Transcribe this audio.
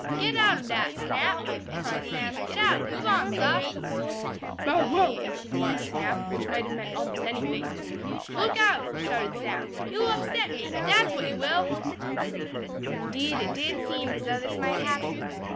"Get out ob dat, Snap!" cried Sam. "Get out! Move on, sah!" "Bow wow!" barked Snap, which might have meant almost anything. "Look out!" shouted Sam. "Yo'll upset me! Dat's what you will!" And indeed it did seem as though this might happen.